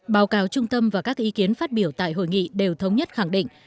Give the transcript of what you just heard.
báo cáo trung tâm và các ý kiến phát biểu tại hội nghị đều thống nhất khẳng định